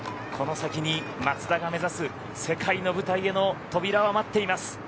この先に松田が目指す世界の舞台への扉は待っています。